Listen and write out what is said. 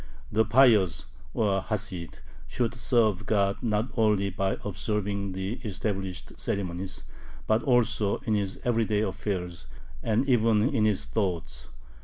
The pious, or Hasid, should serve God not only by observing the established ceremonies, but also in his everyday affairs and even in his thoughts.